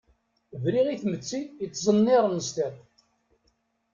Briɣ i tmetti yettẓenniren s tiṭ.